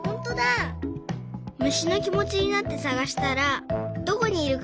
むしのきもちになってさがしたらどこにいるかわかったよ。